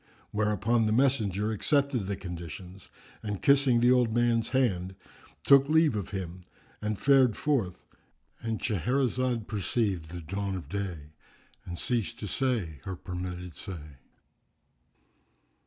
Thereupon the messenger accepted the conditions and kissing the old man's hand, took leave of him, and fared forth.——And Shahrazad perceived the dawn of day and ceased to say her permitted say.